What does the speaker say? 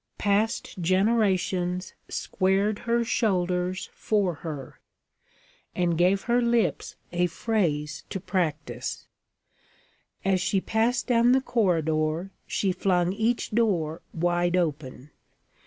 Past generations squared her shoulders for her, and gave her lips a phrase to practice. As she passed down the corridor, she flung each door wide open.